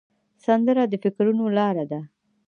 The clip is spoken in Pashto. سندره د فکرونو لاره ده